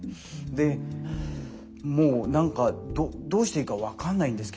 でもう何かどうしていいか分かんないんですけど。